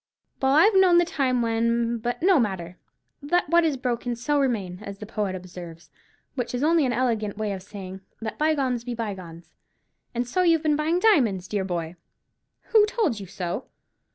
Well, I've known the time when——But no matter, 'let what is broken, so remain,' as the poet observes; which is only an elegant way of saying, 'Let bygones be bygones.' And so you've been buying diamonds, dear boy?" "Who told you so?"